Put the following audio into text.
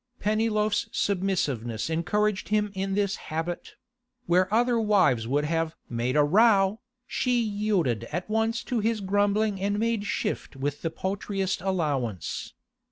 Pennyloaf's submissiveness encouraged him in this habit; where other wives would have 'made a row,' she yielded at once to his grumbling and made shift with the paltriest allowance.